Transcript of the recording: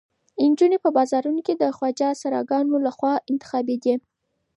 نجونې په بازارونو کې د خواجه سراګانو لخوا انتخابېدې.